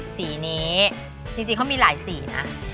สีนี้จริงเขามีหลายสีนะ